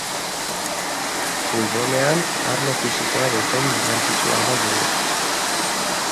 Futbolean arlo fisikoa bezain garrantzitsua da burua.